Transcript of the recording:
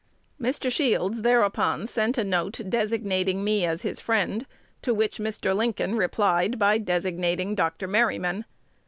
Mr. Shields thereupon sent a note designating me as his friend, to which Mr. Lincoln replied by designating Dr. Merryman.